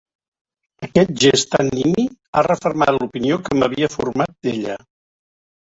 Aquest gest tan nimi ha refermat l'opinió que m'havia format d'ella.